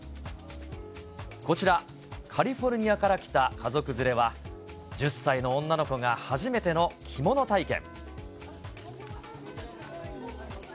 こちら、カリフォルニアから来た家族連れは、１０歳の女の子が初めての着物体験。